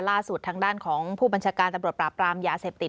ล่าสุดทางด้านของผู้บัญชาการตำรวจปราบปรามยาเสพติด